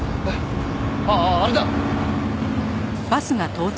あっあれだ！